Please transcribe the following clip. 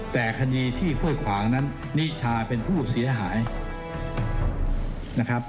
แต่คดีที่ห้วยขวางนั้นนิชาเป็นผู้เสียหายนะครับ